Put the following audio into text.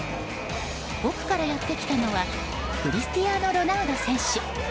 奥からやってきたのはクリスティアーノ・ロナウド選手。